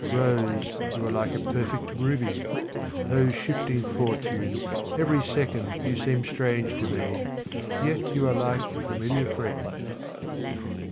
Rose, you are like a perfect ruby. O shifting fortune, every second you seem strange to me, yet you are like a familiar friend.